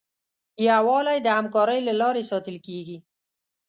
یووالی د همکارۍ له لارې ساتل کېږي.